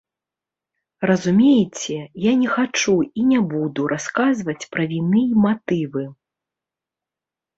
Разумееце, я не хачу і не буду расказваць пра віны і матывы.